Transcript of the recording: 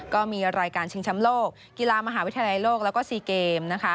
ก็มีรายการชิงช้ำโลกกีฬามหาวิทยาลัยโลกแล้วก็๔เกม